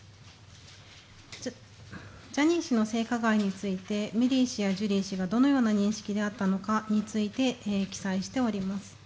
ジャニー氏の性加害について、メリー氏やジュリー氏がどのような認識であったのかについて記載しております。